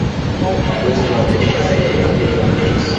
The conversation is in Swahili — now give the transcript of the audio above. Mbuzi huathirika zaidi na ugonjwa wa ngozi